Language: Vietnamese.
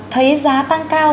thấy giá tăng cao